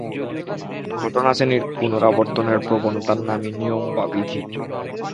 ঘটনাশ্রেণীর পুনরাবর্তনের প্রবণতার নামই নিয়ম বা বিধি।